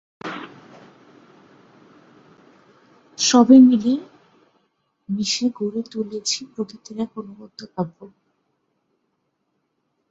সব মিলে মিশে গড়ে তুলেছে প্রকৃতির এক অনবদ্য কাব্য।